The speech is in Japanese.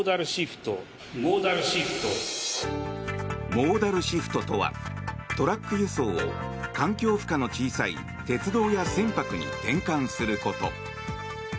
モーダルシフトとはトラック輸送を環境負荷の小さい鉄道や船舶に転換すること。